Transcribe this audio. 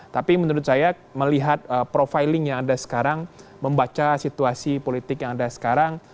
tapi menurut saya melihat profiling yang ada sekarang membaca situasi politik yang ada sekarang